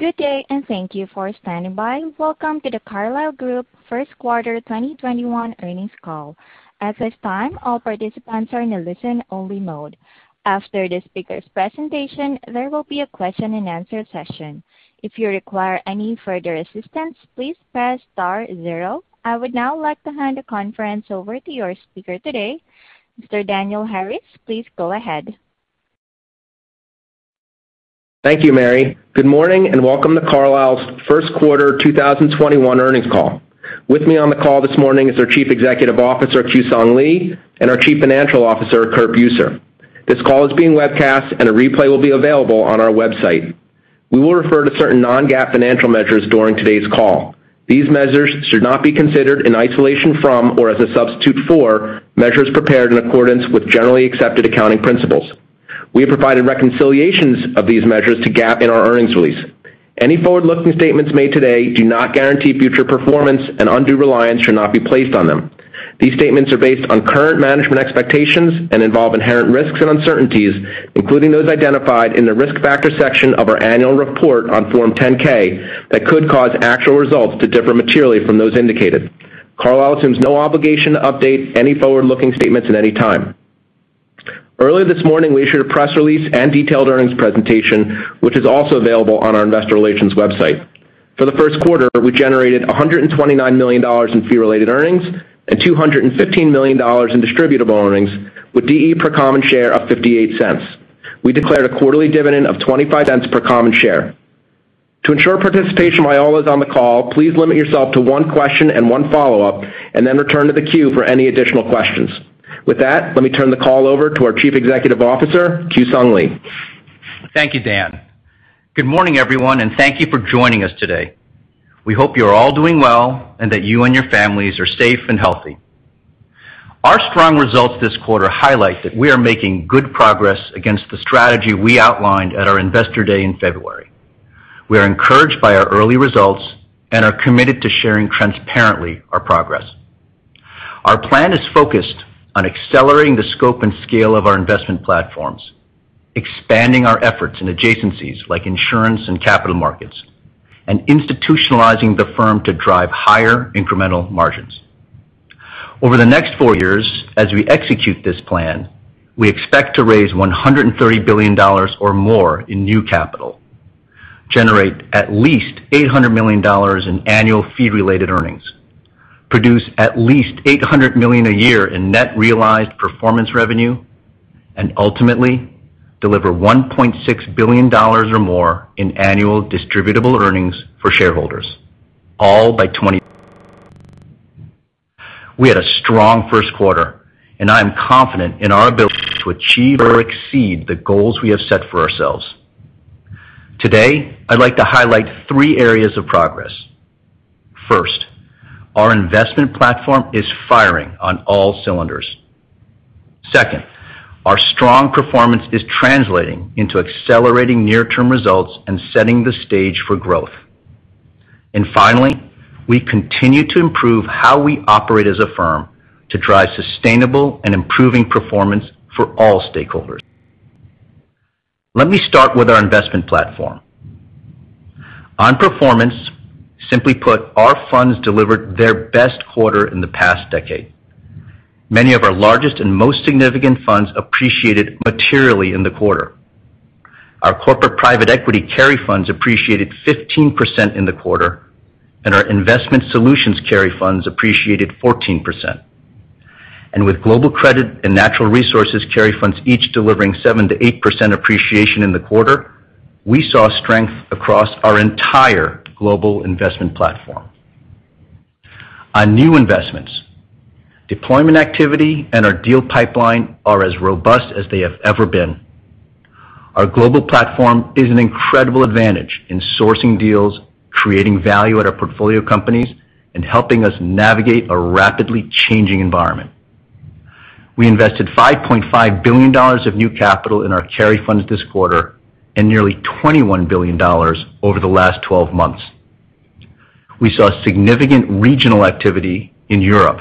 Good day, and thank you for standing by. Welcome to The Carlyle Group First Quarter 2021 earnings call. At this time, all participants are in a listen-only mode. After the speaker's presentation, there will be a question-and-answer session. If you require any further assistance, please press star zero. I would now like to hand the conference over to your speaker today, Mr. Daniel Harris. Please go ahead. Thank you, Mary. Good morning, and welcome to Carlyle's first quarter 2021 earnings call. With me on the call this morning is our Chief Executive Officer, Kewsong Lee, and our Chief Financial Officer, Curt Buser. This call is being webcast, and a replay will be available on our website. We will refer to certain non-GAAP financial measures during today's call. These measures should not be considered in isolation from or as a substitute for measures prepared in accordance with generally accepted accounting principles. We have provided reconciliations of these measures to GAAP in our earnings release. Any forward-looking statements made today do not guarantee future performance, and undue reliance should not be placed on them. These statements are based on current management expectations and involve inherent risks and uncertainties, including those identified in the risk factors section of our annual report on Form 10-K, that could cause actual results to differ materially from those indicated. Carlyle assumes no obligation to update any forward-looking statements at any time. Earlier this morning, we issued a press release and detailed earnings presentation, which is also available on our investor relations website. For the first quarter, we generated $129 million in fee-related earnings and $215 million in distributable earnings, with DE per common share of $0.58. We declared a quarterly dividend of $0.25 per common share. To ensure participation by all us on the call, please limit yourself to one question and one follow-up, and then return to the queue for any additional questions. With that, let me turn the call over to our Chief Executive Officer, Kewsong Lee. Thank you, Dan. Good morning, everyone, and thank you for joining us today. We hope you are all doing well and that you and your families are safe and healthy. Our strong results this quarter highlight that we are making good progress against the strategy we outlined at our Investor Day in February. We are encouraged by our early results and are committed to sharing transparently our progress. Our plan is focused on accelerating the scope and scale of our investment platforms, expanding our efforts in adjacencies like insurance and capital markets, and institutionalizing the firm to drive higher incremental margins. Over the next four years, as we execute this plan, we expect to raise $130 billion or more in new capital, generate at least $800 million in annual fee-related earnings, produce at least $800 million a year in net realized performance revenue, and ultimately deliver $1.6 billion or more in annual distributable earnings for shareholders, all by [inadible]. We had a strong first quarter, and I am confident in our ability to achieve or exceed the goals we have set for ourselves. Today, I'd like to highlight three areas of progress. First, our investment platform is firing on all cylinders. Second, our strong performance is translating into accelerating near-term results and setting the stage for growth. Finally, we continue to improve how we operate as a firm to drive sustainable and improving performance for all stakeholders. Let me start with our investment platform. On performance, simply put, our funds delivered their best quarter in the past decade. Many of our largest and most significant funds appreciated materially in the quarter. Our corporate private equity carry funds appreciated 15% in the quarter. Our investment solutions carry funds appreciated 14%. With global credit and natural resources carry funds each delivering 7%-8% appreciation in the quarter, we saw strength across our entire global investment platform. On new investments, deployment activity and our deal pipeline are as robust as they have ever been. Our global platform is an incredible advantage in sourcing deals, creating value at our portfolio companies, and helping us navigate a rapidly changing environment. We invested $5.5 billion of new capital in our carry funds this quarter and nearly $21 billion over the last 12 months. We saw significant regional activity in Europe,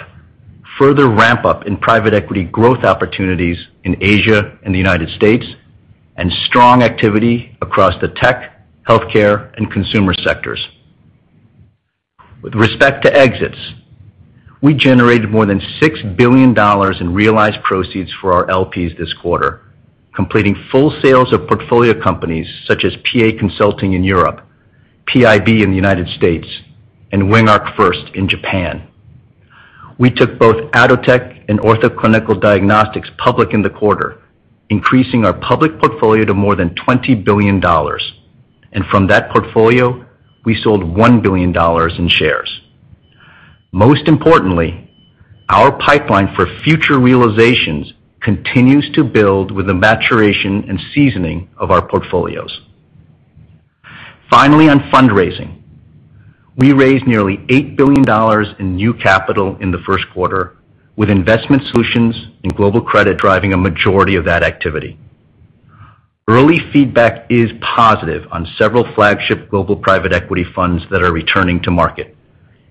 further ramp-up in private equity growth opportunities in Asia and the United States, and strong activity across the tech, healthcare, and consumer sectors. With respect to exits, we generated more than $6 billion in realized proceeds for our LPs this quarter, completing full sales of portfolio companies such as PA Consulting in Europe, PIB in the United States, and WingArc1st in Japan. We took both Atotech and Ortho Clinical Diagnostics public in the quarter, increasing our public portfolio to more than $20 billion. From that portfolio, we sold $1 billion in shares. Most importantly, our pipeline for future realizations continues to build with the maturation and seasoning of our portfolios. Finally, on fundraising, we raised nearly $8 billion in new capital in the first quarter, with investment solutions and Global Credit driving a majority of that activity. Early feedback is positive on several flagship global private equity funds that are returning to market,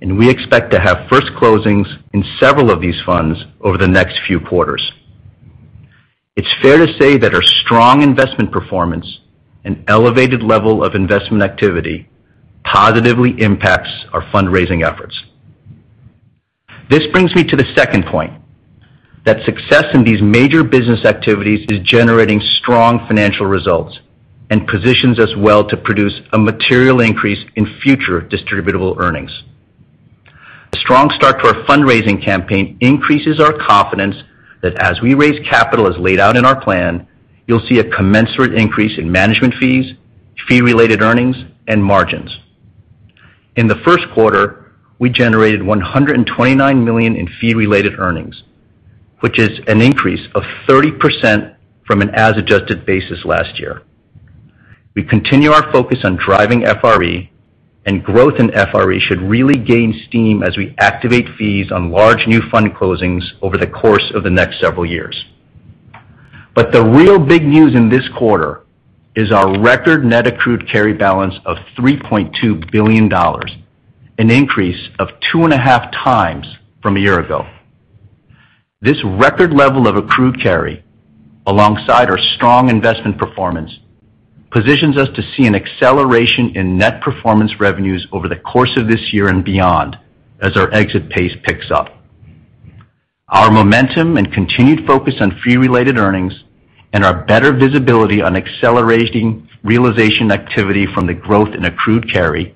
and we expect to have first closings in several of these funds over the next few quarters. It's fair to say that our strong investment performance and elevated level of investment activity positively impacts our fundraising efforts. This brings me to the second point, that success in these major business activities is generating strong financial results and positions us well to produce a material increase in future distributable earnings. A strong start to our fundraising campaign increases our confidence that as we raise capital as laid out in our plan, you'll see a commensurate increase in management fees, fee-related earnings, and margins. In the first quarter, we generated $129 million in fee-related earnings, which is an increase of 30% from an as-adjusted basis last year. We continue our focus on driving FRE, growth in FRE should really gain steam as we activate fees on large new fund closings over the course of the next several years. The real big news in this quarter is our record net accrued carry balance of $3.2 billion, an increase of 2.5x from a year ago. This record level of accrued carry, alongside our strong investment performance, positions us to see an acceleration in net performance revenues over the course of this year and beyond as our exit pace picks up. Our momentum and continued focus on fee-related earnings and our better visibility on accelerating realization activity from the growth in accrued carry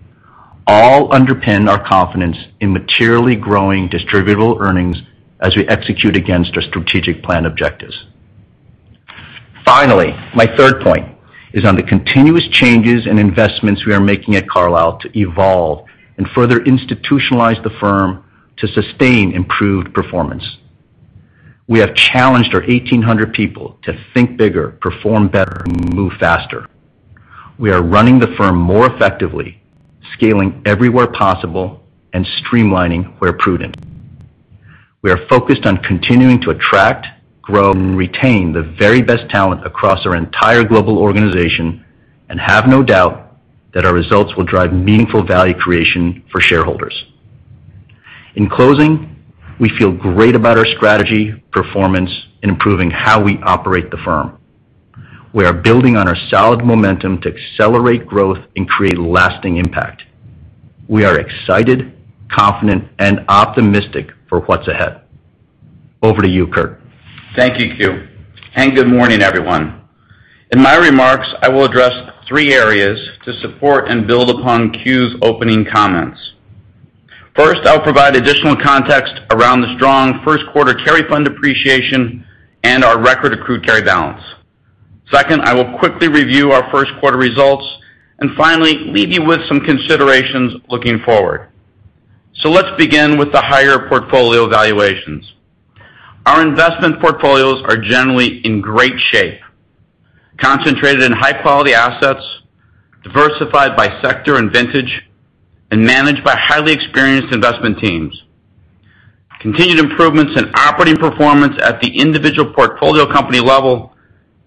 all underpin our confidence in materially growing distributable earnings as we execute against our strategic plan objectives. Finally, my third point is on the continuous changes in investments we are making at Carlyle to evolve and further institutionalize the firm to sustain improved performance. We have challenged our 1,800 people to think bigger, perform better, and move faster. We are running the firm more effectively, scaling everywhere possible, and streamlining where prudent. We are focused on continuing to attract, grow, and retain the very best talent across our entire global organization and have no doubt that our results will drive meaningful value creation for shareholders. In closing, we feel great about our strategy, performance, and improving how we operate the firm. We are building on our solid momentum to accelerate growth and create lasting impact. We are excited, confident, and optimistic for what's ahead. Over to you, Curt. Thank you, Kew. Good morning, everyone. In my remarks, I will address three areas to support and build upon Kew's opening comments. First, I'll provide additional context around the strong first quarter carry fund appreciation and our record accrued carry balance. Second, I will quickly review our first quarter results and finally leave you with some considerations looking forward. Let's begin with the higher portfolio valuations. Our investment portfolios are generally in great shape, concentrated in high-quality assets, diversified by sector and vintage, and managed by highly experienced investment teams. Continued improvements in operating performance at the individual portfolio company level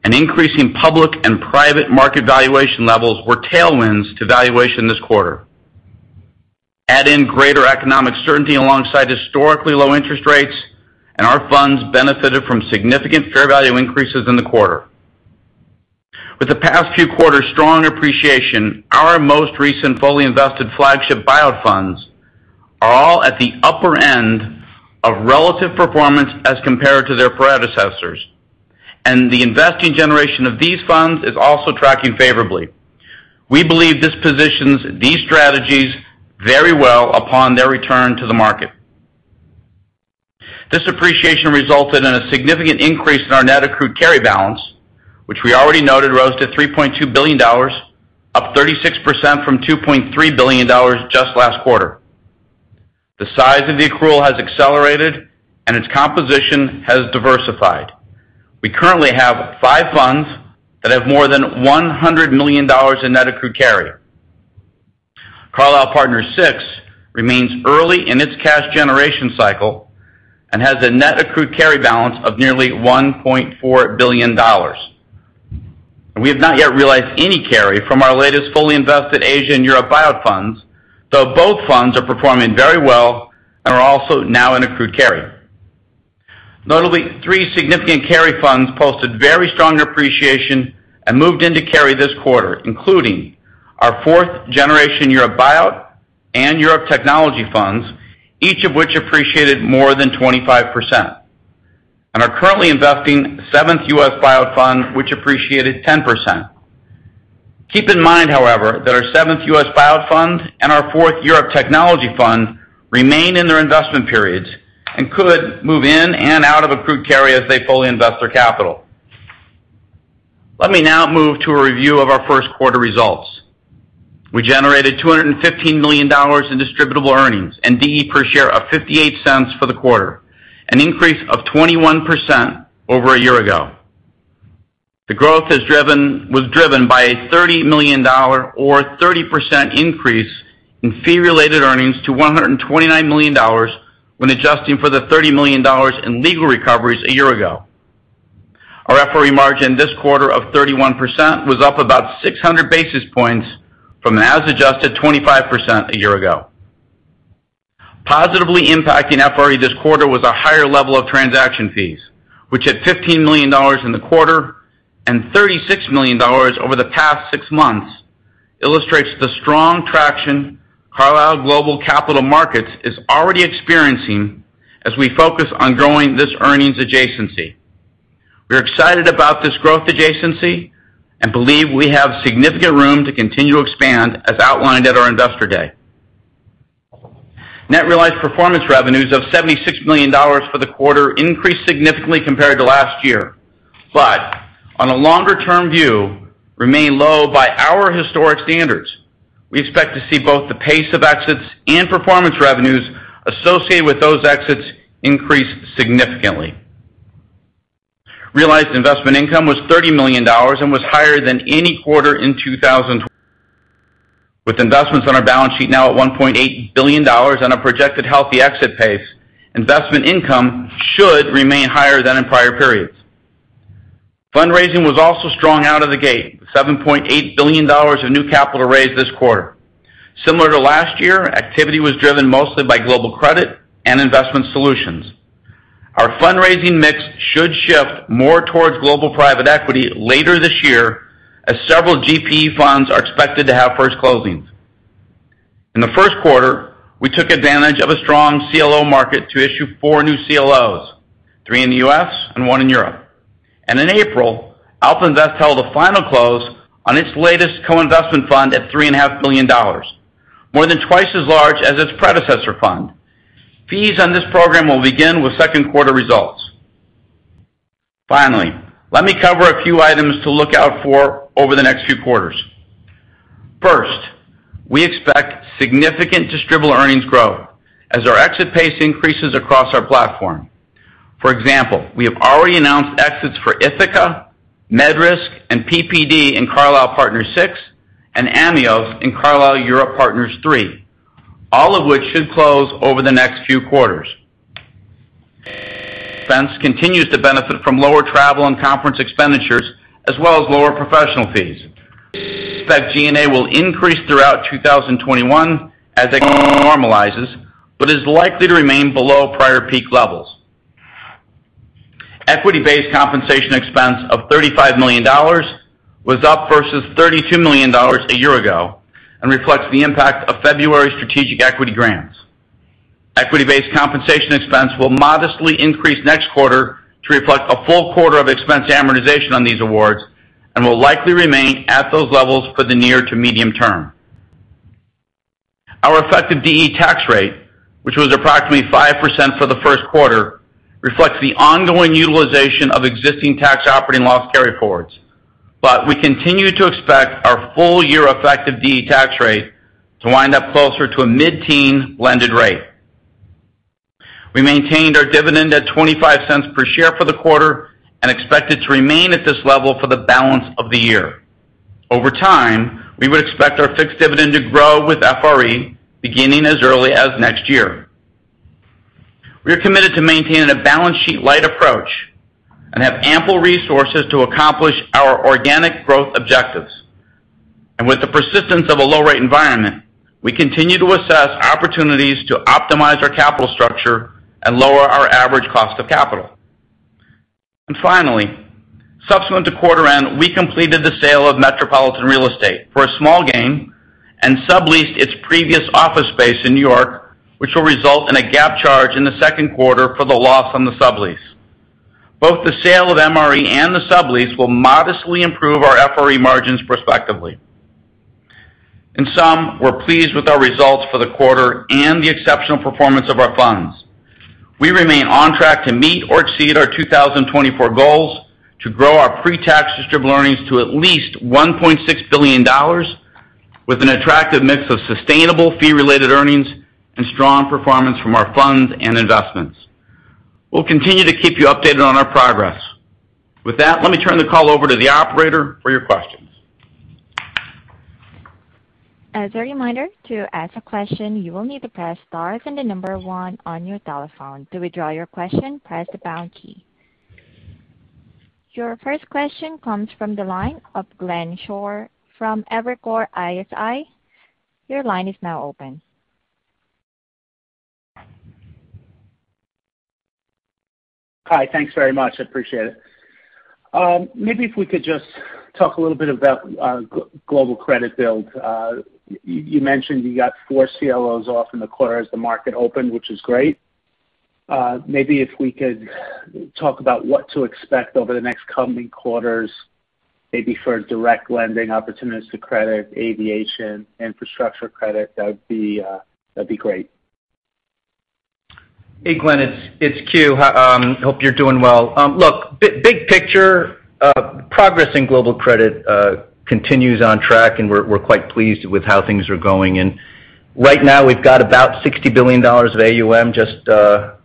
and increasing public and private market valuation levels were tailwinds to valuation this quarter. Add in greater economic certainty alongside historically low interest rates, and our funds benefited from significant fair value increases in the quarter. With the past few quarters' strong appreciation, our most recent fully invested flagship buyout funds are all at the upper end of relative performance as compared to their predecessors, and the investing generation of these funds is also tracking favorably. We believe this positions these strategies very well upon their return to the market. This appreciation resulted in a significant increase in our net accrued carry balance, which we already noted rose to $3.2 billion, up 36% from $2.3 billion just last quarter. The size of the accrual has accelerated, and its composition has diversified. We currently have five funds that have more than $100 million in net accrued carry. Carlyle Partners VI remains early in its cash generation cycle and has a net accrued carry balance of nearly $1.4 billion. We have not yet realized any carry from our latest fully invested Asia and Europe buyout funds, though both funds are performing very well and are also now in net accrued carry. Notably, three significant carry funds posted very strong appreciation and moved into carry this quarter, including our fourth generation Europe buyout and Europe technology funds, each of which appreciated more than 25% and are currently investing seventh U.S. buyout fund, which appreciated 10%. Keep in mind, however, that our seventh U.S. buyout fund and our fourth Europe technology fund remain in their investment periods and could move in and out of net accrued carry as they fully invest their capital. Let me now move to a review of our first quarter results. We generated $215 million in distributable earnings and DE per share of $0.58 for the quarter, an increase of 21% over a year ago. The growth was driven by a $30 million or 30% increase in fee-related earnings to $129 million when adjusting for the $30 million in legal recoveries a year ago. Our FRE margin this quarter of 31% was up about 600 basis points from an as-adjusted 25% a year ago. Positively impacting FRE this quarter was a higher level of transaction fees, which at $15 million in the quarter and $36 million over the past six months, illustrates the strong traction Carlyle Global Capital Markets is already experiencing as we focus on growing this earnings adjacency. We're excited about this growth adjacency and believe we have significant room to continue to expand, as outlined at our investor day. Net realized performance revenues of $76 million for the quarter increased significantly compared to last year. On a longer-term view, remain low by our historic standards. We expect to see both the pace of exits and performance revenues associated with those exits increase significantly. Realized investment income was $30 million and was higher than any quarter in 2000. With investments on our balance sheet now at $1.8 billion and a projected healthy exit pace, investment income should remain higher than in prior periods. Fundraising was also strong out of the gate, $7.8 billion of new capital raised this quarter. Similar to last year, activity was driven mostly by global credit and investment solutions. Our fundraising mix should shift more towards global private equity later this year, as several GP funds are expected to have first closings. In the first quarter, we took advantage of a strong CLO market to issue four new CLOs, three in the U.S. and one in Europe. In April, AlpInvest held a final close on its latest co-investment fund at $3.5 billion, more than twice as large as its predecessor fund. Fees on this program will begin with second quarter results. Finally, let me cover a few items to look out for over the next few quarters. First, we expect significant distributable earnings growth as our exit pace increases across our platform. For example, we have already announced exits for Ithaca, MedRisk, and PPD in Carlyle Partners VI, and Ameos in Carlyle Europe Partners III, all of which should close over the next few quarters. Expense continues to benefit from lower travel and conference expenditures, as well as lower professional fees. We expect G&A will increase throughout 2021 as normalizes, but is likely to remain below prior peak levels. Equity-based compensation expense of $35 million was up versus $32 million a year ago and reflects the impact of February strategic equity grants. Equity-based compensation expense will modestly increase next quarter to reflect a full quarter of expense amortization on these awards and will likely remain at those levels for the near to medium term. Our effective DE tax rate, which was approximately 5% for the first quarter, reflects the ongoing utilization of existing tax operating loss carryforwards. We continue to expect our full-year effective DE tax rate to wind up closer to a mid-teen blended rate. We maintained our dividend at $0.25 per share for the quarter and expect it to remain at this level for the balance of the year. Over time, we would expect our fixed dividend to grow with FRE, beginning as early as next year. We are committed to maintaining a balance sheet light approach and have ample resources to accomplish our organic growth objectives. With the persistence of a low rate environment, we continue to assess opportunities to optimize our capital structure and lower our average cost of capital. Finally, subsequent to quarter end, we completed the sale of Metropolitan Real Estate for a small gain and subleased its previous office space in New York, which will result in a GAAP charge in the second quarter for the loss on the sublease. Both the sale of MRE and the sublease will modestly improve our FRE margins prospectively. In sum, we're pleased with our results for the quarter and the exceptional performance of our funds. We remain on track to meet or exceed our 2024 goals to grow our pre-tax distributable earnings to at least $1.6 billion with an attractive mix of sustainable fee-related earnings and strong performance from our funds and investments. We'll continue to keep you updated on our progress. With that, let me turn the call over to the operator for your questions. As a reminder, to ask a question, you will need to press star, then the number 1 on your telephone. To withdraw your question, press the pound key. Your first question comes from the line of Glenn Schorr from Evercore ISI. Your line is now open. Hi, thanks very much. I appreciate it. Maybe if we could just talk a little bit about Global Credit build. You mentioned you got four CLOs off in the quarter as the market opened, which is great. Maybe if we could talk about what to expect over the next coming quarters, maybe for direct lending opportunities to credit, aviation, infrastructure credit, that would be great. Hey, Glenn, it's Kew. Hope you're doing well. Look, big picture, progress in global credit continues on track and we're quite pleased with how things are going. Right now we've got about $60 billion of AUM.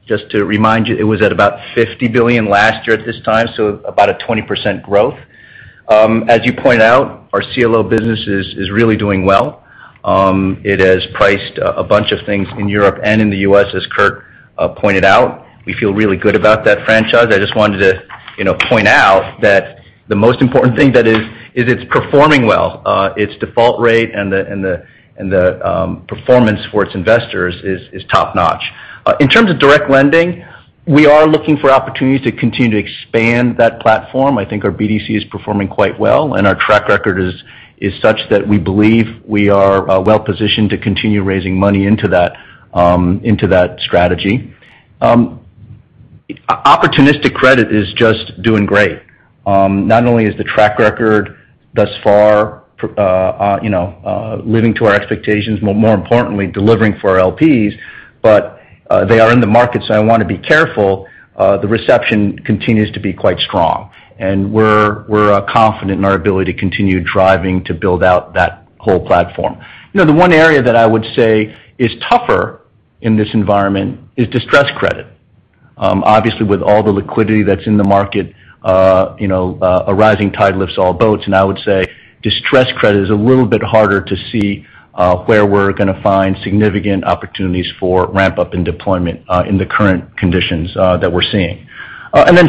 Just to remind you, it was at about $50 billion last year at this time, so about a 20% growth. As you point out, our CLO business is really doing well. It has priced a bunch of things in Europe and in the U.S. as Curt Pointed out. We feel really good about that franchise. I just wanted to point out that the most important thing that is, it's performing well. Its default rate and the performance for its investors is top-notch. In terms of direct lending, we are looking for opportunities to continue to expand that platform. I think our BDC is performing quite well, and our track record is such that we believe we are well-positioned to continue raising money into that strategy. Opportunistic credit is just doing great. Not only is the track record thus far living to our expectations, more importantly, delivering for our LPs, but they are in the market, so I want to be careful. The reception continues to be quite strong, and we're confident in our ability to continue driving to build out that whole platform. The one area that I would say is tougher in this environment is distressed credit. Obviously, with all the liquidity that's in the market, a rising tide lifts all boats, I would say distressed credit is a little bit harder to see where we're going to find significant opportunities for ramp-up and deployment in the current conditions that we're seeing.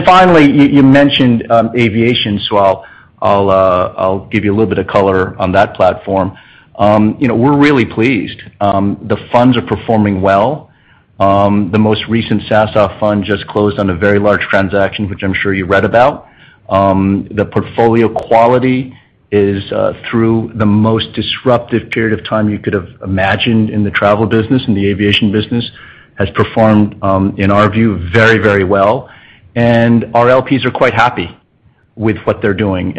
Finally, you mentioned aviation, so I'll give you a little bit of color on that platform. We're really pleased. The funds are performing well. The most recent SASOF fund just closed on a very large transaction, which I'm sure you read about. The portfolio quality is through the most disruptive period of time you could have imagined in the travel business, in the aviation business, has performed, in our view, very, very well. Our LPs are quite happy with what they're doing.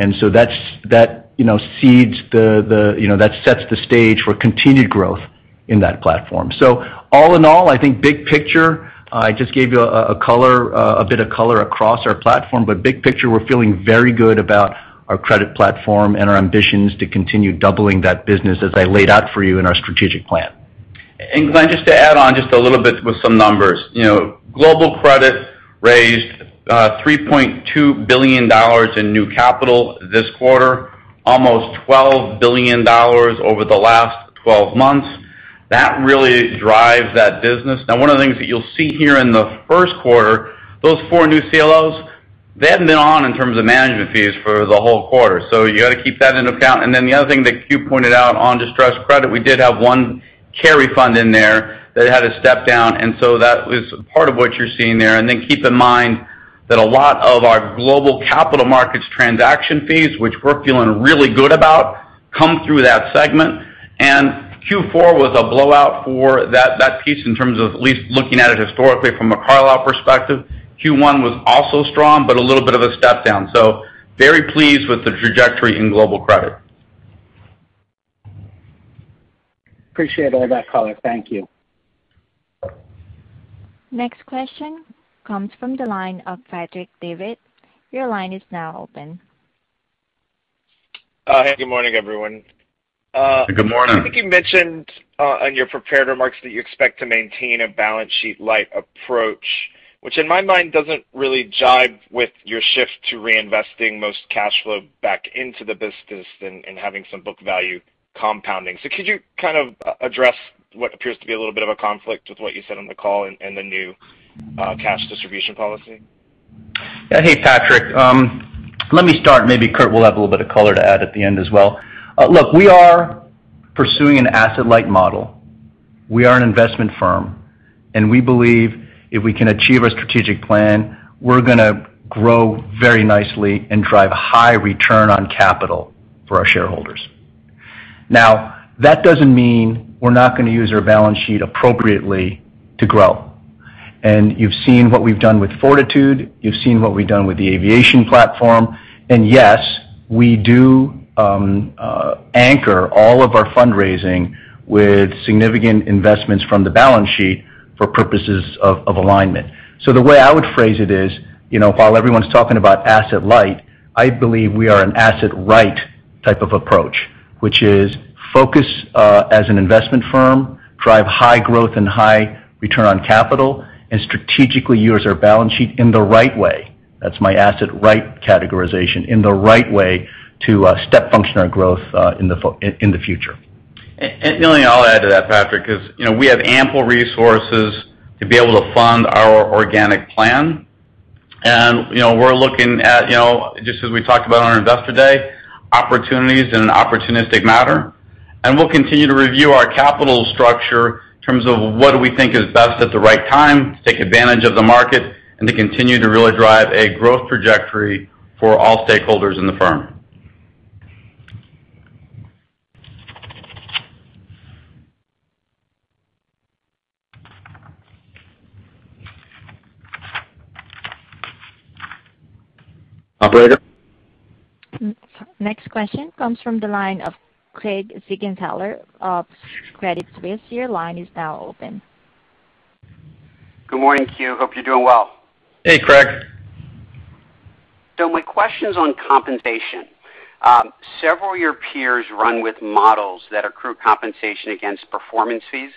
That sets the stage for continued growth in that platform. All in all, I think big picture, I just gave you a bit of color across our platform, but big picture, we're feeling very good about our credit platform and our ambitions to continue doubling that business as I laid out for you in our strategic plan. Glenn, just to add on just a little bit with some numbers. Global Credit raised $3.2 billion in new capital this quarter, almost $12 billion over the last 12 months. That really drives that business. One of the things that you'll see here in the first quarter, those four new CLOs, they haven't been on in terms of management fees for the whole quarter. You got to keep that into account. The other thing that you pointed out on distressed credit, we did have one carry fund in there that had a step-down, that was part of what you're seeing there. Keep in mind that a lot of our Carlyle Global Capital Markets transaction fees, which we're feeling really good about, come through that segment. Q4 was a blowout for that piece in terms of at least looking at it historically from a Carlyle perspective. Q1 was also strong, but a little bit of a step down. Very pleased with the trajectory in global credit. Appreciate all that color. Thank you. Next question comes from the line of Patrick Davitt. Your line is now open. Hey, good morning, everyone. Good morning. I think you mentioned on your prepared remarks that you expect to maintain a balance sheet light approach, which in my mind, doesn't really jive with your shift to reinvesting most cash flow back into the business and having some book value compounding. Could you address what appears to be a little bit of a conflict with what you said on the call and the new cash distribution policy? Yeah. Hey, Patrick. Let me start, maybe Curt will have a little bit of color to add at the end as well. Look, we are pursuing an asset-light model. We are an investment firm, and we believe if we can achieve our strategic plan, we're going to grow very nicely and drive high return on capital for our shareholders. That doesn't mean we're not going to use our balance sheet appropriately to grow. You've seen what we've done with Fortitude, you've seen what we've done with the aviation platform. Yes, we do anchor all of our fundraising with significant investments from the balance sheet for purposes of alignment. The way I would phrase it is, while everyone's talking about asset light, I believe we are an asset right type of approach, which is focus as an investment firm, drive high growth and high return on capital, and strategically use our balance sheet in the right way. That's my asset right categorization, in the right way to step function our growth in the future. The only thing I'll add to that, Patrick, is we have ample resources to be able to fund our organic plan. We're looking at, just as we talked about on our investor day, opportunities in an opportunistic manner. We'll continue to review our capital structure in terms of what do we think is best at the right time to take advantage of the market and to continue to really drive a growth trajectory for all stakeholders in the firm. Operator? Next question comes from the line of Craig Siegenthaler of Credit Suisse. Your line is now open. Good morning, Kew. Hope you're doing well. Hey, Craig. My question's on compensation. Several of your peers run with models that accrue compensation against performance fees,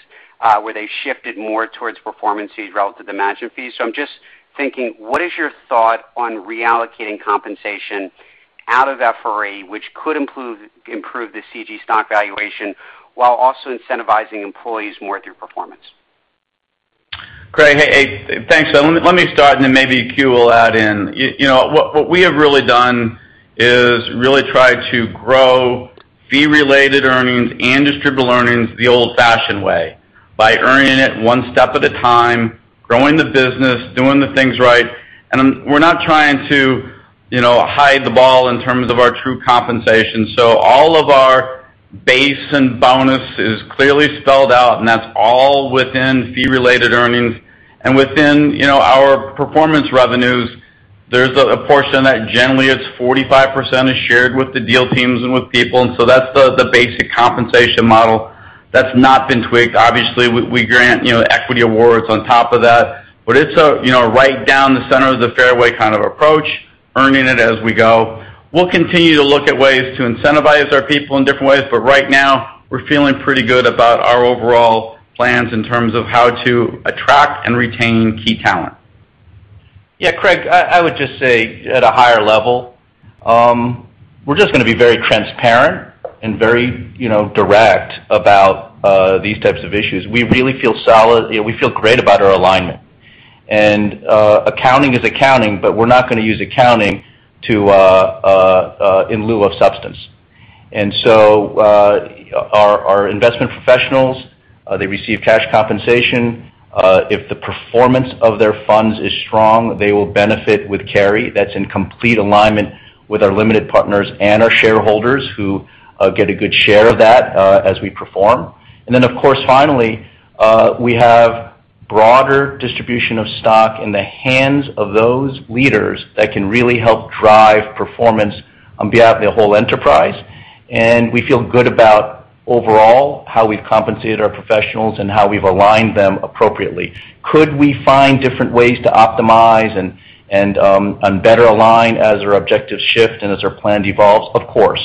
where they shifted more towards performance fees relative to management fees. I'm just thinking, what is your thought on reallocating compensation out of FRE, which could improve the CG stock valuation while also incentivizing employees more through performance. Craig, hey. Thanks. Let me start and then maybe Kew will add in. What we have really done is really try to grow fee-related earnings and distributable earnings the old-fashioned way, by earning it one step at a time, growing the business, doing the things right. We're not trying to hide the ball in terms of our true compensation. All of our base and bonus is clearly spelled out, and that's all within fee-related earnings. Within our performance revenues, there's a portion that generally is 45% is shared with the deal teams and with people, that's the basic compensation model. That's not been tweaked. Obviously, we grant equity awards on top of that. It's a right down the center of the fairway kind of approach, earning it as we go. We'll continue to look at ways to incentivize our people in different ways, but right now, we're feeling pretty good about our overall plans in terms of how to attract and retain key talent. Yeah, Craig, I would just say at a higher level, we're just going to be very transparent and very direct about these types of issues. We really feel solid. We feel great about our alignment. Accounting is accounting, we're not going to use accounting in lieu of substance. Our investment professionals, they receive cash compensation. If the performance of their funds is strong, they will benefit with carry. That's in complete alignment with our limited partners and our shareholders who get a good share of that as we perform. Of course, finally, we have broader distribution of stock in the hands of those leaders that can really help drive performance on behalf of the whole enterprise. We feel good about overall how we've compensated our professionals and how we've aligned them appropriately. Could we find different ways to optimize and better align as our objectives shift and as our plan evolves? Of course.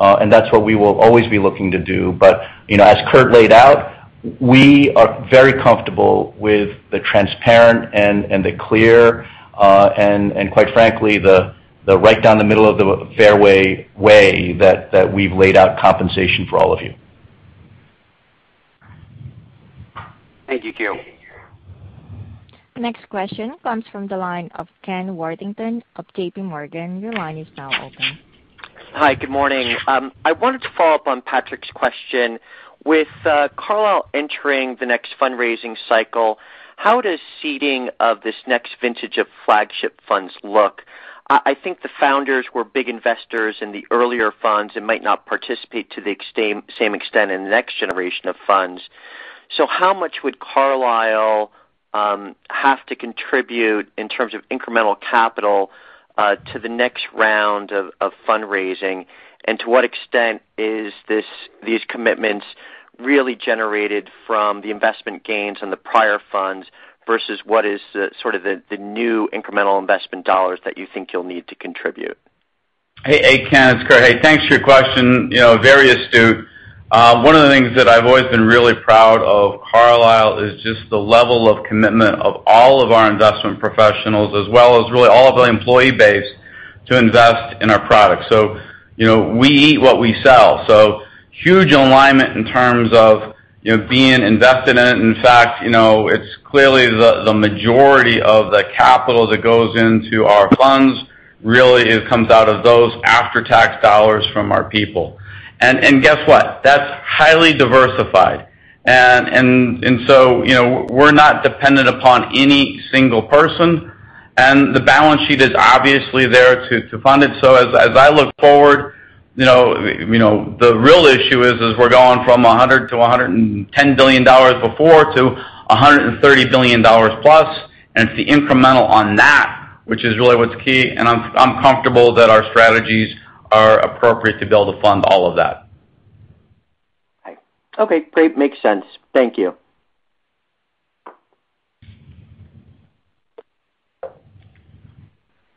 That's what we will always be looking to do. As Kurt laid out, we are very comfortable with the transparent and the clear, and quite frankly, the right down the middle of the fairway way that we've laid out compensation for all of you. Thank you, Kew. Next question comes from the line of Ken Worthington of JPMorgan. Your line is now open. Hi, good morning. I wanted to follow up on Patrick's question. With Carlyle entering the next fundraising cycle, how does seeding of this next vintage of flagship funds look? I think the founders were big investors in the earlier funds and might not participate to the same extent in the next generation of funds. How much would Carlyle have to contribute in terms of incremental capital to the next round of fundraising? To what extent is these commitments really generated from the investment gains on the prior funds versus what is the new incremental investment dollars that you think you'll need to contribute? Hey, Ken, it's Curt. Hey, thanks for your question. Very astute. One of the things that I've always been really proud of Carlyle is just the level of commitment of all of our investment professionals, as well as really all of the employee base to invest in our products. We eat what we sell. Huge alignment in terms of being invested in it. In fact, it's clearly the majority of the capital that goes into our funds really comes out of those after-tax dollars from our people. Guess what? That's highly diversified. We're not dependent upon any single person, and the balance sheet is obviously there to fund it. As I look forward, the real issue is, we're going from $100 billion to $110 billion before to $130 billion+, it's the incremental on that, which is really what's key, I'm comfortable that our strategies are appropriate to be able to fund all of that. Okay, great. Makes sense. Thank you.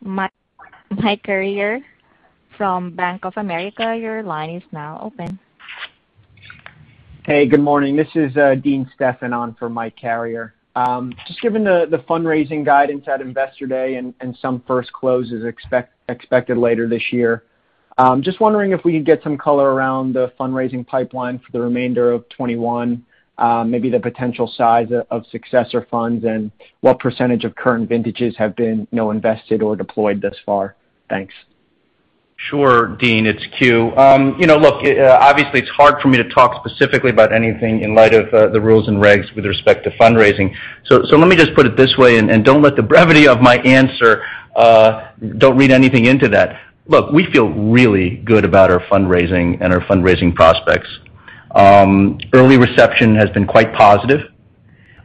Michael Carrier from Bank of America, your line is now open. Hey, good morning. This is Dean Stephan on for Mike Carrier. Just given the fundraising guidance at Investor Day and some first closes expected later this year, just wondering if we could get some color around the fundraising pipeline for the remainder of 2021, maybe the potential size of successor funds and what percentage of current vintages have been invested or deployed thus far? Thanks. Sure, Dean, it's Kew. Look, obviously, it's hard for me to talk specifically about anything in light of the rules and regs with respect to fundraising. Let me just put it this way, and don't let the brevity of my answer. Don't read anything into that. Look, we feel really good about our fundraising and our fundraising prospects. Early reception has been quite positive.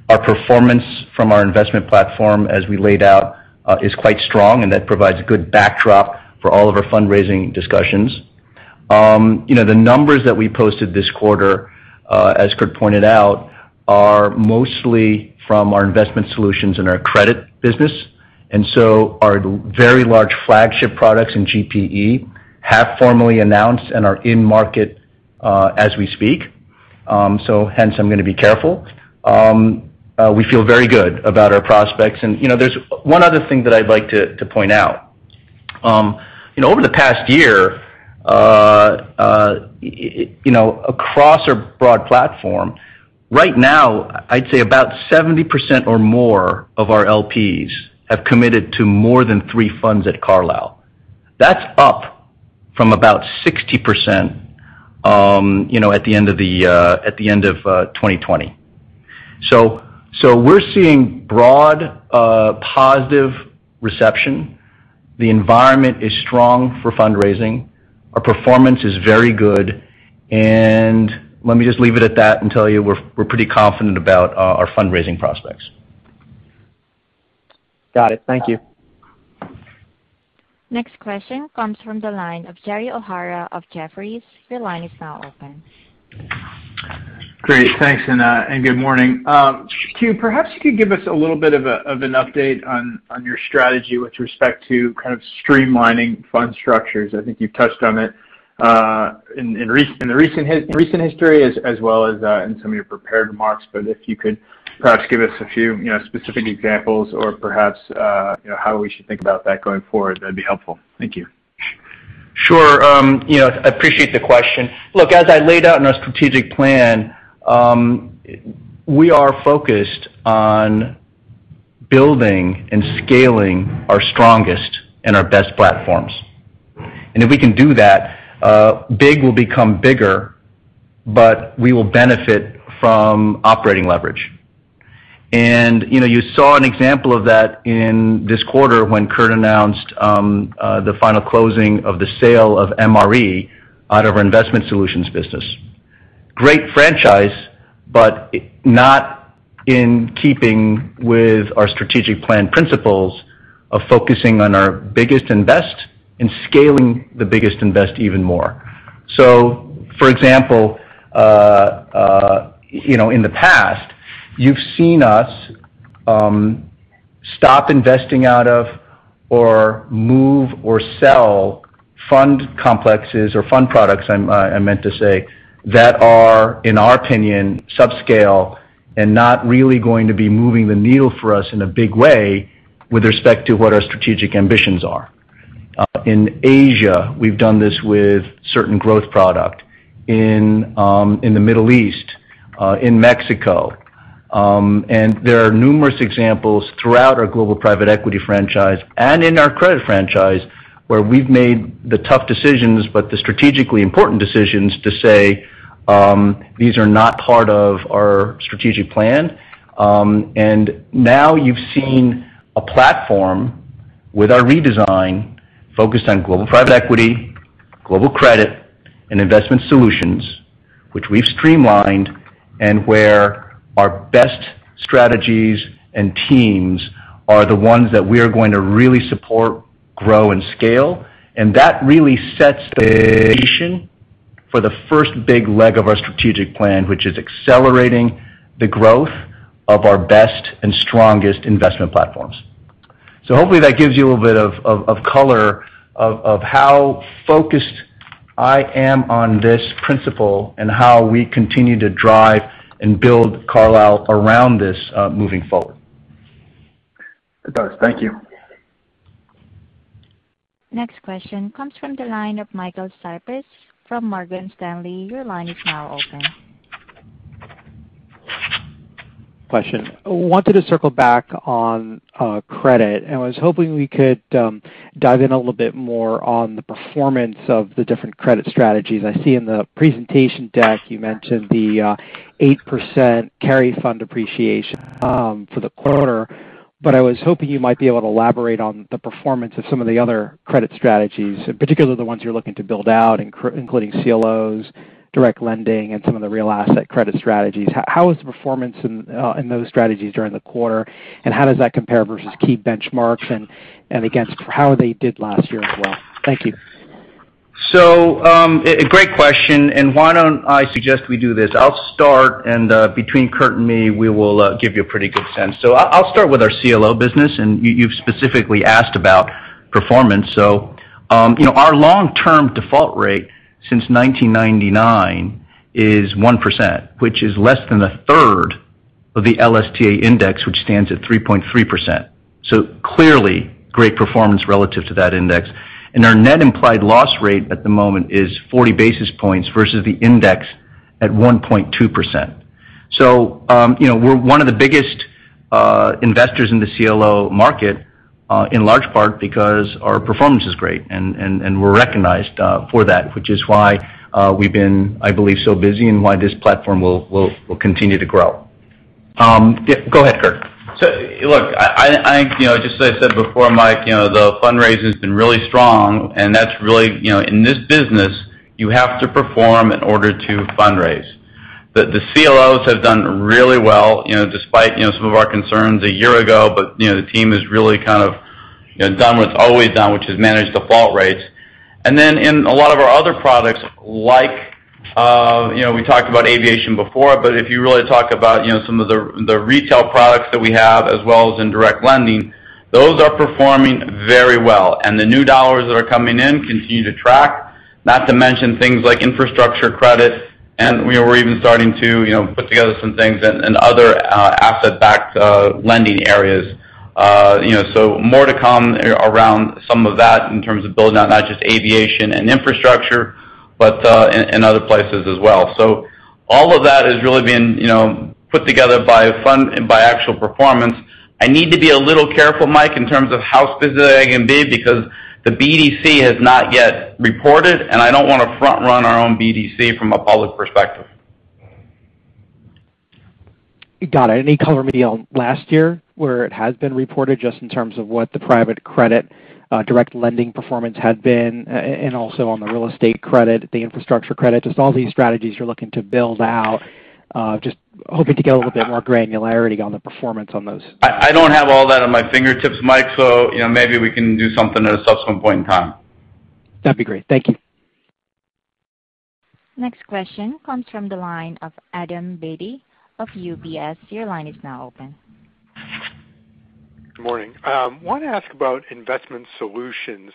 Our performance from our investment platform, as we laid out, is quite strong, and that provides a good backdrop for all of our fundraising discussions. The numbers that we posted this quarter, as Kurt pointed out, are mostly from our investment solutions and our credit business. Our very large flagship products in GPE have formally announced and are in market as we speak. Hence I'm going to be careful. We feel very good about our prospects. There's one other thing that I'd like to point out. Over the past year, across our broad platform, right now, I'd say about 70% or more of our LPs have committed to more than three funds at Carlyle. That's up from about 60% at the end of 2020. We're seeing broad positive reception. The environment is strong for fundraising. Our performance is very good, and let me just leave it at that and tell you we're pretty confident about our fundraising prospects. Got it. Thank you. Next question comes from the line of Gerald O'Hara of Jefferies. Your line is now open. Great. Thanks, good morning. Kew, perhaps you could give us a little bit of an update on your strategy with respect to kind of streamlining fund structures. I think you've touched on it in the recent history as well as in some of your prepared remarks. If you could perhaps give us a few specific examples or perhaps how we should think about that going forward, that'd be helpful. Thank you. Sure. I appreciate the question. Look, as I laid out in our strategic plan, we are focused on building and scaling our strongest and our best platforms. If we can do that, big will become bigger, but we will benefit from operating leverage. You saw an example of that in this quarter when Curt announced the final closing of the sale of MRE out of our investment solutions business. Great franchise, but not in keeping with our strategic plan principles of focusing on our biggest and best and scaling the biggest and best even more. For example, in the past, you've seen us stop investing out of or move or sell fund complexes or fund products, I meant to say, that are, in our opinion, subscale and not really going to be moving the needle for us in a big way with respect to what our strategic ambitions are. In Asia, we've done this with certain growth product. In the Middle East, in Mexico, and there are numerous examples throughout our Global Private Equity franchise and in our Global Credit franchise where we've made the tough decisions but the strategically important decisions to say these are not part of our strategic plan. Now you've seen a platform with our redesign focused on Global Private Equity, Global Credit, and Investment Solutions, which we've streamlined and where our best strategies and teams are the ones that we are going to really support, grow, and scale. That really sets the foundation for the first big leg of our strategic plan, which is accelerating the growth of our best and strongest investment platforms. Hopefully that gives you a little bit of color of how focused I am on this principle and how we continue to drive and build Carlyle around this moving forward. It does. Thank you. Next question comes from the line of Michael Cyprys from Morgan Stanley. Your line is now open. Question. I wanted to circle back on credit, and I was hoping we could dive in a little bit more on the performance of the different credit strategies. I see in the presentation deck you mentioned the 8% carry fund appreciation for the quarter, but I was hoping you might be able to elaborate on the performance of some of the other credit strategies, particularly the ones you're looking to build out including CLOs, direct lending, and some of the real asset credit strategies. How is the performance in those strategies during the quarter, and how does that compare versus key benchmarks and against how they did last year as well? Thank you. Great question, and why don't I suggest we do this? I'll start and between Curt and me, we will give you a pretty good sense. I'll start with our CLO business, and you've specifically asked about performance. Our long-term default rate since 1999 is 1%, which is less than a third of the LSTA index, which stands at 3.3%. Our net implied loss rate at the moment is 40 basis points versus the index at 1.2%. We're one of the biggest investors in the CLO market in large part because our performance is great and we're recognized for that, which is why we've been, I believe, so busy and why this platform will continue to grow. Go ahead, Curt. Look, I think just as I said before, Mike, the fundraising has been really strong, and that's really in this business you have to perform in order to fundraise. The CLOs have done really well despite some of our concerns a year ago, but the team has really kind of done what it's always done, which is manage default rates. In a lot of our other products like we talked about aviation before, but if you really talk about some of the retail products that we have as well as in direct lending Those are performing very well, and the new dollars that are coming in continue to track, not to mention things like infrastructure credit, and we're even starting to put together some things in other asset-backed lending areas. More to come around some of that in terms of building out, not just aviation and infrastructure, but in other places as well. All of that is really being put together by actual performance. I need to be a little careful, Michael, in terms of how specific I can be, because the BDC has not yet reported, and I don't want to front-run our own BDC from a public perspective. Got it. Any color maybe on last year where it has been reported, just in terms of what the private credit direct lending performance had been, and also on the real estate credit, the infrastructure credit, just all these strategies you're looking to build out? Just hoping to get a little bit more granularity on the performance on those. I don't have all that on my fingertips, Mike. Maybe we can do something at a subsequent point in time. That'd be great. Thank you. Next question comes from the line of Adam Beatty of UBS. Your line is now open. Good morning. I want to ask about investment solutions.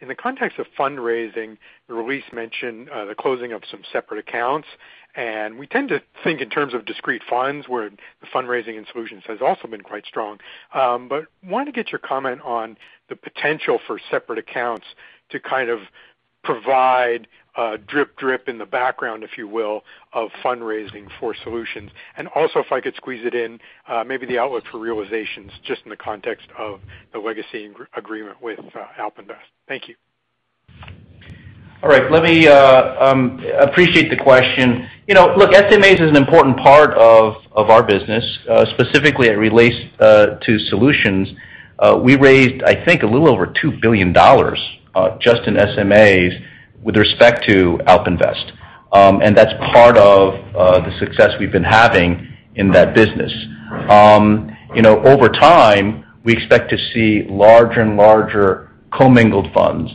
In the context of fundraising, the release mentioned the closing of some separate accounts, and we tend to think in terms of discrete funds where the fundraising in solutions has also been quite strong. Wanted to get your comment on the potential for separate accounts to kind of provide a drip in the background, if you will, of fundraising for solutions. Also, if I could squeeze it in, maybe the outlook for realizations just in the context of the legacy agreement with AlpInvest. Thank you. All right. Appreciate the question. Look, SMAs is an important part of our business, specifically it relates to solutions. We raised, I think, a little over $2 billion just in SMAs with respect to AlpInvest. That's part of the success we've been having in that business. Over time, we expect to see larger and larger commingled funds.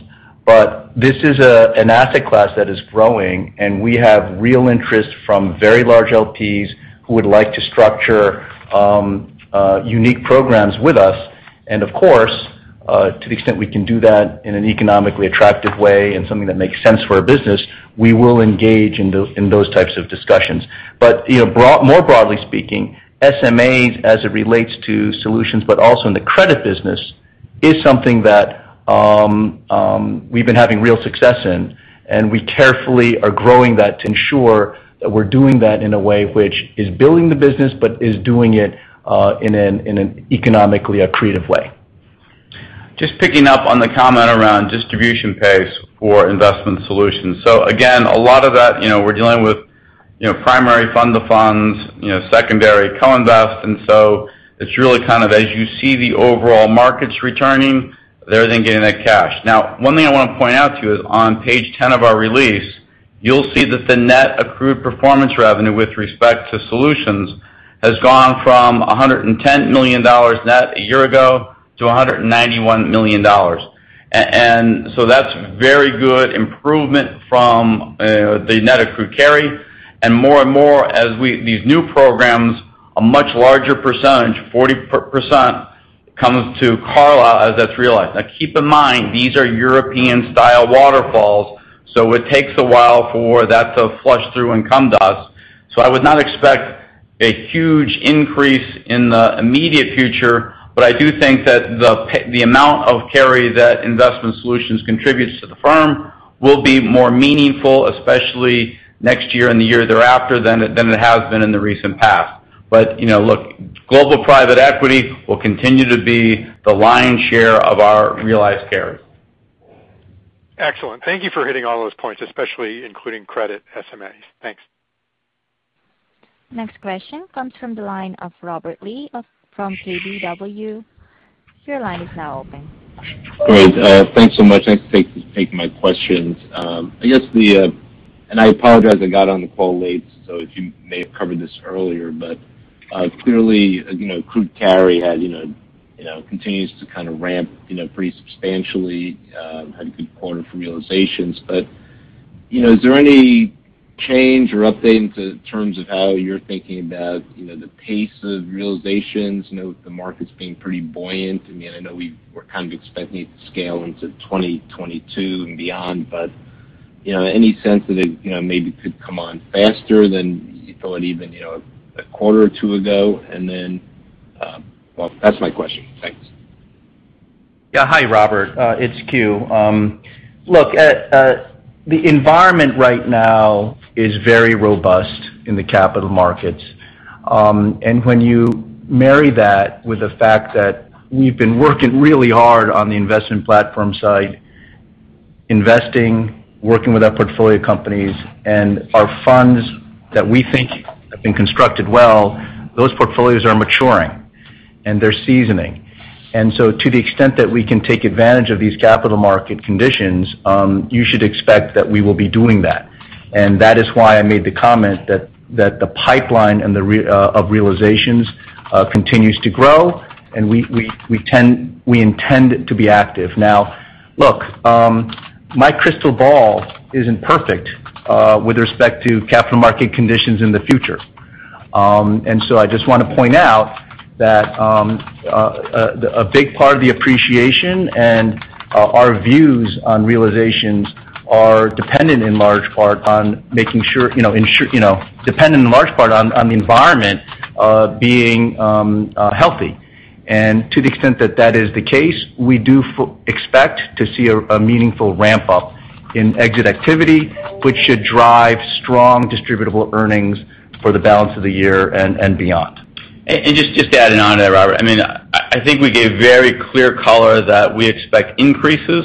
This is an asset class that is growing, and we have real interest from very large LPs who would like to structure unique programs with us. Of course, to the extent we can do that in an economically attractive way and something that makes sense for our business, we will engage in those types of discussions. More broadly speaking, SMAs, as it relates to solutions but also in the credit business, is something that we've been having real success in, and we carefully are growing that to ensure that we're doing that in a way which is building the business but is doing it in an economically accretive way. Just picking up on the comment around distribution pace for investment solutions. Again, a lot of that we're dealing with primary fund-to-funds, secondary co-invest, it's really kind of as you see the overall markets returning, they're then getting that cash. One thing I want to point out to you is on page 10 of our release, you'll see that the net accrued performance revenue with respect to solutions has gone from $110 million net a year ago to $191 million. That's very good improvement from the net accrued carry. More and more as these new programs, a much larger percentage, 40%, comes to Carlyle as that's realized. Now keep in mind, these are European-style waterfalls, it takes a while for that to flush through and come to us. I would not expect a huge increase in the immediate future, but I do think that the amount of carry that Investment Solutions contributes to the firm will be more meaningful, especially next year and the year thereafter, than it has been in the recent past. Look, global private equity will continue to be the lion's share of our realized carries. Excellent. Thank you for hitting all those points, especially including credit SMAs. Thanks. Next question comes from the line of Robert Lee from KBW. Your line is now open. Great. Thanks so much. Thanks for taking my questions. I apologize I got on the call late, so if you may have covered this earlier. Clearly, accrued carry continues to kind of ramp pretty substantially, had a good quarter from realizations. Is there any change or update in terms of how you're thinking about the pace of realizations? The market's been pretty buoyant. I know we were kind of expecting it to scale into 2022 and beyond. Any sense that it maybe could come on faster than you thought even a quarter or two ago? That's my question. Thanks. Yeah. Hi, Robert. It's Kew. Look, the environment right now is very robust in the capital markets. When you marry that with the fact that we've been working really hard on the investment platform side, investing, working with our portfolio companies, and our funds that we think have been constructed well, those portfolios are maturing, and they're seasoning. To the extent that we can take advantage of these capital market conditions, you should expect that we will be doing that. That is why I made the comment that the pipeline of realizations continues to grow, and we intend to be active. Now, look, my crystal ball isn't perfect with respect to capital market conditions in the future. I just want to point out that a big part of the appreciation and our views on realizations are dependent in large part on the environment being healthy. To the extent that that is the case, we do expect to see a meaningful ramp-up in exit activity, which should drive strong distributable earnings for the balance of the year and beyond. Just to add on there, Robert, I think we gave very clear color that we expect increases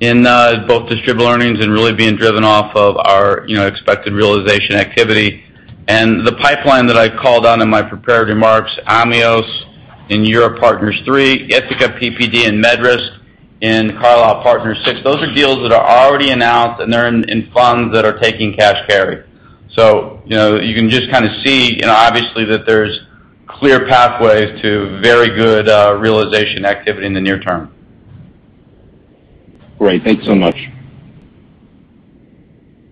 in both distributable earnings and really being driven off of our expected realization activity. The pipeline that I called on in my prepared remarks, Ameos and Europe Partners III, Ithaca, PPD, and MedRisk in Carlyle Partners VI. Those are deals that are already announced, and they're in funds that are taking cash carry. You can just see, obviously, that there's clear pathways to very good realization activity in the near term. Great. Thanks so much.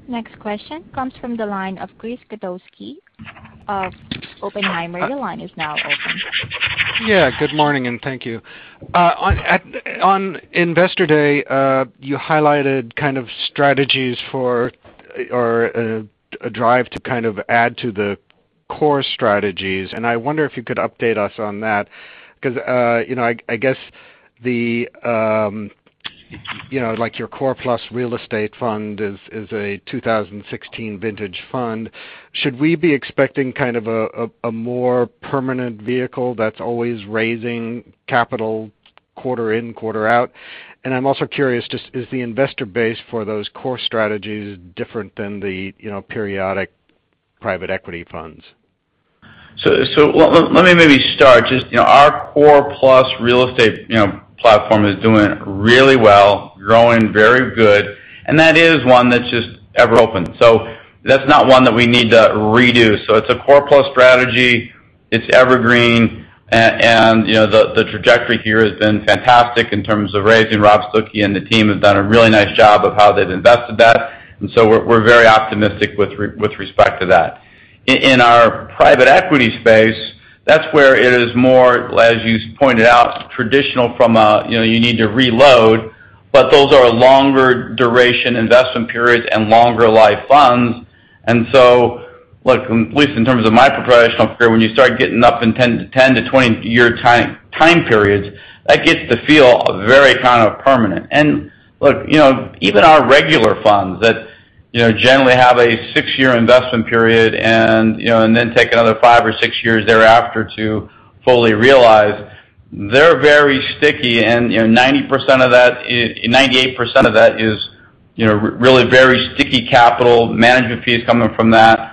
Next question comes from the line of Chris Kotowski of Oppenheimer. Yeah. Good morning, and thank you. On Investor Day, you highlighted strategies or a drive to add to the core strategies. I wonder if you could update us on that because, I guess, your Core Plus Real Estate fund is a 2016 vintage fund. Should we be expecting a more permanent vehicle that's always raising capital quarter in, quarter out? I'm also curious, is the investor base for those core strategies different than the periodic private equity funds? Let me maybe start. Our Core Plus Real Estate platform is doing really well, growing very good. That is one that's just ever open. That's not one that we need to redo. It's a Core Plus strategy. It's evergreen. The trajectory here has been fantastic in terms of raising. Rob Stuckey and the team have done a really nice job of how they've invested that. We're very optimistic with respect to that. In our private equity space, that's where it is more, as you pointed out, traditional you need to reload. Those are longer duration investment periods and longer life funds. At least in terms of my professional career, when you start getting up in 10-20 year time periods, that gets to feel very permanent. Look, even our regular funds that generally have a six-year investment period and then take another five or six years thereafter to fully realize, they're very sticky, and 98% of that is really very sticky capital management fees coming from that.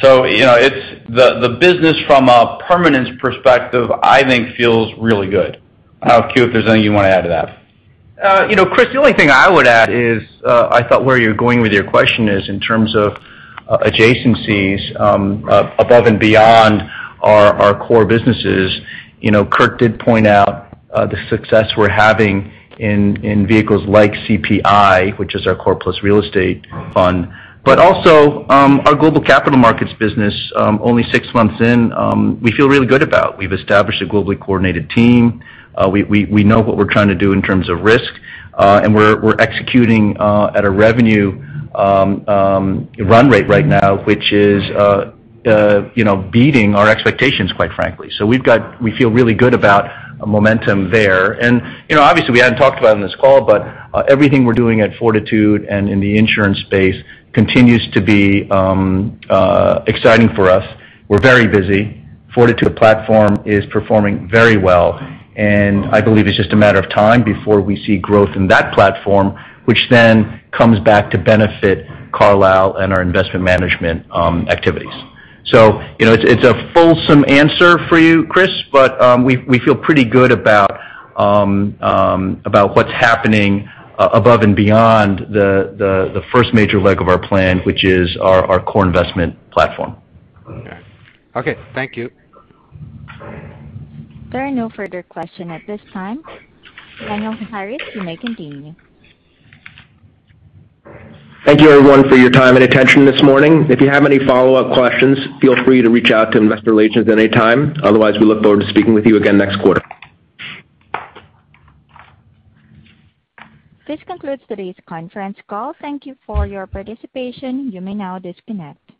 The business from a permanence perspective, I think, feels really good. Q, if there's anything you want to add to that. Chris, the only thing I would add is I thought where you're going with your question is in terms of adjacencies above and beyond our core businesses. Curt did point out the success we're having in vehicles like CPI, which is our Core Plus Real Estate fund, but also our Global Capital Markets business only six months in, we feel really good about. We've established a globally coordinated team. We know what we're trying to do in terms of risk. We're executing at a revenue run rate right now, which is beating our expectations, quite frankly. We feel really good about momentum there. Obviously, we haven't talked about it on this call, but everything we're doing at Fortitude and in the insurance space continues to be exciting for us. We're very busy. Fortitude platform is performing very well, and I believe it's just a matter of time before we see growth in that platform, which then comes back to benefit Carlyle and our investment management activities. It's a fulsome answer for you, Chris, but we feel pretty good about what's happening above and beyond the first major leg of our plan, which is our core investment platform. Okay. Thank you. There are no further questions at this time. Daniel Harris, you may continue. Thank you, everyone, for your time and attention this morning. If you have any follow-up questions, feel free to reach out to investor relations at any time. Otherwise, we look forward to speaking with you again next quarter. This concludes today's conference call. Thank you for your participation. You may now disconnect.